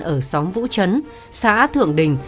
ở xóm vũ trấn xã thượng đình